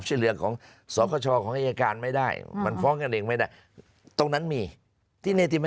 ฟ้องเสร็จแล้วผมแนะนำ